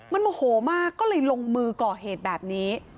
มันโมโหมากก็เลยลงมือก่อเหตุแบบนี้